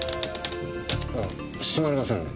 閉まりませんね。